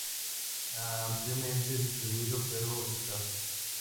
Ampliamente distribuido, pero escaso.